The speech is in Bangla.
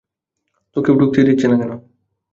তোকে ঢুকতে দিচ্ছে না কেন?